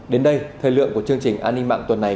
đến đây thời lượng của chương trình an ninh mạng tuần này